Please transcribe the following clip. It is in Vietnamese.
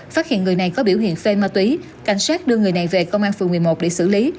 phát hiện người này có biểu hiện phê ma túy cảnh sát đưa người này về công an phường một mươi một để xử lý